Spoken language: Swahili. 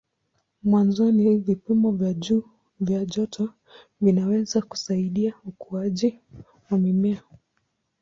Mwanzoni vipimo vya juu vya joto vinaweza kusaidia ukuaji wa mimea.